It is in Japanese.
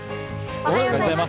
おはようございます。